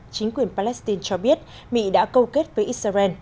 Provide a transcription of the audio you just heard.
chính quyền palestine cho biết mỹ đã câu kết với israel